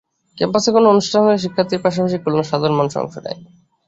ক্যাম্পাসে কোনো অনুষ্ঠান হলে শিক্ষার্থীর পাশাপাশি খুলনার সাধারণ মানুষও অংশ নেয়।